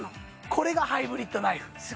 これがハイブリッドナイフです